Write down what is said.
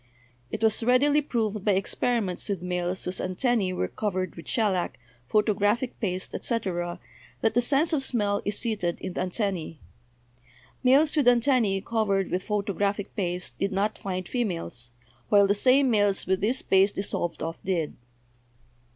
It was readily proved by experiments with males whose antennae were covered with shellac, photographic paste, etc., that the sense of smell is seated in the antennae. Males with antennae covered with photographic paste did not find females, while the same males with this paste dissolved off did.